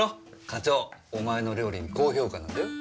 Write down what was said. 課長お前の料理に高評価なんだよ。